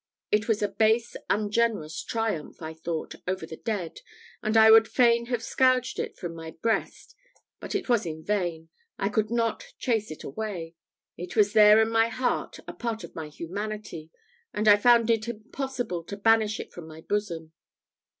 It was a base, ungenerous triumph, I thought, over the dead, and I would fain have scourged it from my breast; but it was in vain I could not chase it away. It was there in my heart a part of my humanity, and I found it impossible to banish it from my bosom.